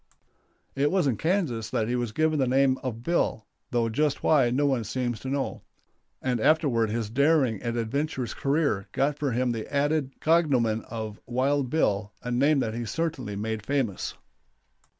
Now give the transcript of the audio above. It was in Kansas that he was given the name of "Bill," though just why no one seems to know; and afterward his daring and adventurous career got for him the added cognomen of "Wild Bill," a name that he certainly made famous.